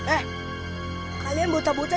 eh kalian bota bota